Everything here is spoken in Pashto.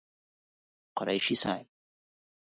قريشي صاحب